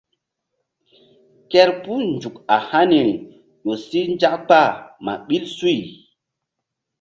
Kerpuh nzuk a haniri ƴo si nzak kpah ma ɓil suy.